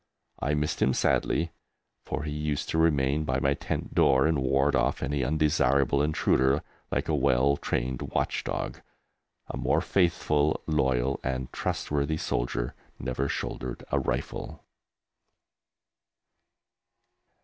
I missed him sadly, for he used to remain by my tent door and ward off any undesirable intruder like a well trained watch dog. A more faithful, loyal and trust worthy soldier never shouldered a rifle.